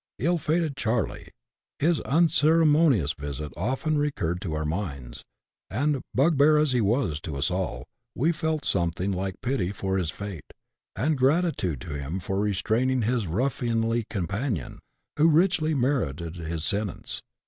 Ill fated Charley !— his unceremonious visit often recurred to our minds, and, bugbear as he was to us all, we felt something like pity for his fate, and gratitude to him for restraining his ruffianly companion, who richly merited his sentence.